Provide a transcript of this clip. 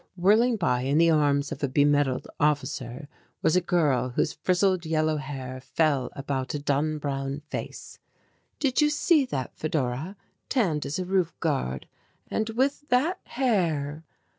Whirling by in the arms of a be medalled officer, was a girl whose frizzled yellow hair fell about a dun brown face. "Did you see that, Fedora, tanned as a roof guard and with that hair!"